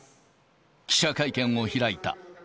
記者会見を開いた。